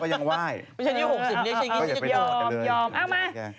พี่ยิ่ง๖๐ชิ้นกี้เยาว์มเอ้ามา